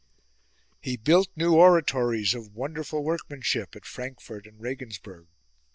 He built new oratories of wonderful workmanship at Frankfurt and Regensburg.